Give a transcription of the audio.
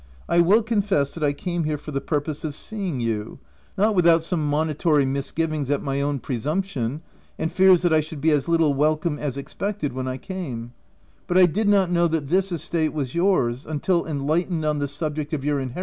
u I will con fess that I came here for the purpose of seeing you (not without some monitory misgivings at my own presumption, and fears that I should be as little welcome as expected when I came), but I did not know that this estate was yours, until enlightened on the subject of your inhe OF WILDFELL HALL.